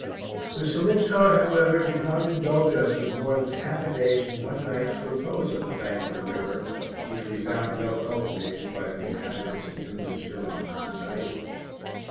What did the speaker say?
The Selictar, however, did not indulge us with more than half a day's and one night's repose on the bank of the river, which we found well cultivated by the inhabitants of numerous villages in sight.